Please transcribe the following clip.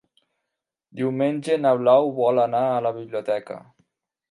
Diumenge na Blau vol anar a la biblioteca.